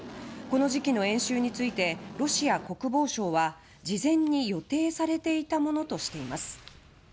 この時期の演習についてロシア国防省は事前に予定されていたものとしています。